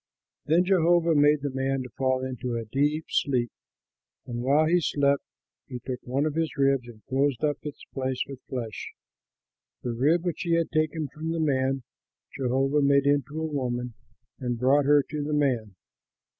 Then Jehovah made the man fall into a deep sleep; and while he slept, he took one of his ribs and closed up its place with flesh. The rib which he had taken from the man, Jehovah made into a woman and brought her to the man.